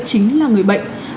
chính là người bệnh